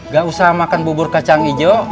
gak usah makan bubur kacang hijau